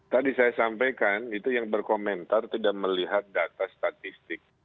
tadi saya sampaikan itu yang berkomentar tidak melihat data statistik